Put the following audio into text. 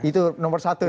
itu nomor satu ya